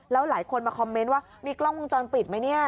แล้วหลายคนมาคอมเมนต์ว่ามีกล้องวงจรปิดไหมเนี่ย